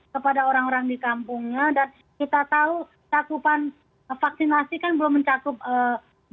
kepada orang orang di kampungnya dan kita tahu cakupan vaksinasi kan belum tinggi sekali bisa jadi